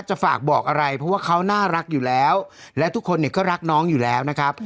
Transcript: จะฝากบอกอะไรเพราะว่าเขาน่ารักอยู่แล้วและทุกคนเนี่ยก็รักน้องอยู่แล้วนะครับ